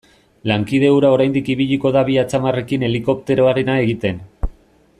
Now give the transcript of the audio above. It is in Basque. Lankide hura oraindik ibiliko da bi atzamarrekin helikopteroarena egiten.